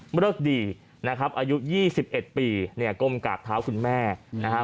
เบอร์ดีนะครับอายุยี่สิบเอ็ดปีเนี่ยก้มกากเท้าของขุมแม่นะฮะ